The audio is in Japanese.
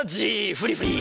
フリフリ。